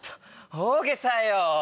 大げさよ。